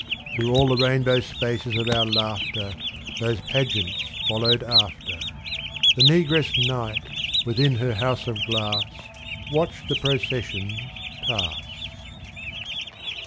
Through all the rainbow spaces of our laughter Those pageants followed after : The negress Night, within her house of glass Watched the processions pass.